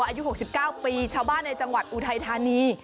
อายุ๖๙ปีชาวบ้านในจังหวัดอุทัยธานี